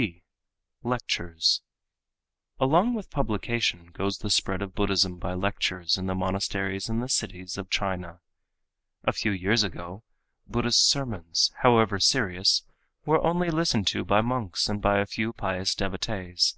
(d) Lectures.—Along with publication goes the spread of Buddhism by lectures in the monasteries and the cities of China. A few years ago Buddhist sermons, however serious, were only listened to by monks and by a few pious devotees.